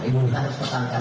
itu harus pertanyaan